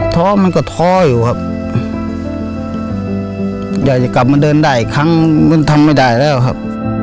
้อมันก็ท้ออยู่ครับอยากจะกลับมาเดินได้อีกครั้งมันทำไม่ได้แล้วครับ